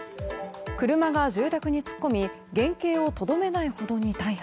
車が住宅に突っ込み原形をとどめないほどに大破。